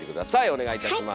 お願いいたします。